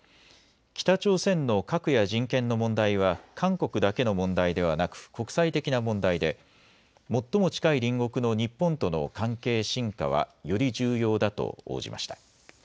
北朝鮮の核や人権の問題は韓国だけの問題ではなく国際的な問題で最も近い隣国の日本との関係深化はより重要だと応じました。